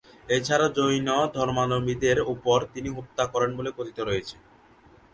এছাড়া জৈন ধর্মাবলম্বীদের ওপর তিনি হত্যা করেন বলেও কথিত রয়েছে।